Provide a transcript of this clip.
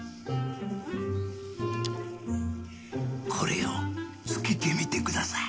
これを着けてみてください。